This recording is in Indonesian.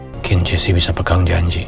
mungkin jessi bisa pegang janji